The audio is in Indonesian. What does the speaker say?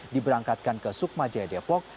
diberangkatkan ke sukma jaya depok